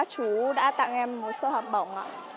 các chú đã tặng em một số học bổng